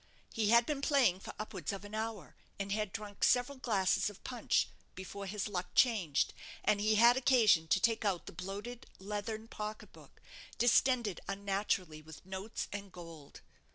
He had been playing for upwards of an hour, and had drunk several glasses of punch, before his luck changed, and he had occasion to take out the bloated leathern pocket book, distended unnaturally with notes and gold.